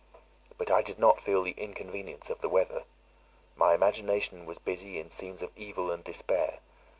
But I did not feel the inconvenience of the weather; my imagination was busy in scenes of evil and despair.